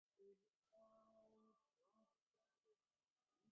একবার যখন বাহির হইল তখন আর রক্ষা নাই।